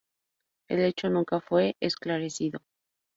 El hecho nunca fue esclarecido.